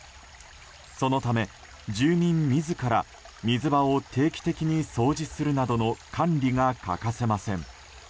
そのため、住民自ら水場を定期的に掃除するなどの管理が欠かせません。